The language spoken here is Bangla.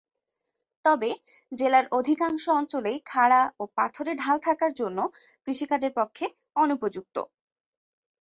তবে জেলার অধিকাংশ অঞ্চলেই খাড়া ও পাথুরে ঢাল থাকার জন্য কৃষিকাজের পক্ষে অনুপযুক্ত।